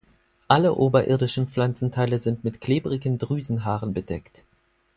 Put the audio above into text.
Alle oberirdischen Pflanzenteile sind mit klebrigen Drüsenhaaren bedeckt.